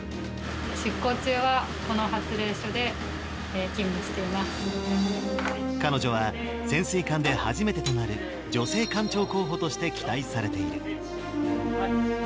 出航中は、この発令所で勤務彼女は潜水艦で初めてとなる、女性艦長候補として期待されている。